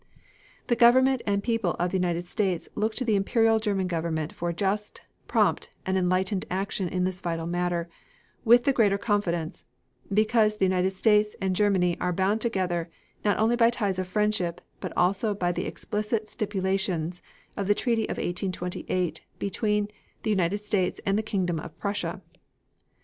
The government and people of the United States look to the Imperial German Government for just, prompt, and enlightened action in this vital matter with the greater confidence, because the United States and Germany are bound together not only by ties of friendship, but also by the explicit stipulations of the Treaty of 1828, between the United States and the Kingdom of Prussia.